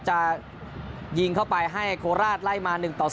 จะยิงเข้าไปให้โคราชไล่มา๑ต่อ๐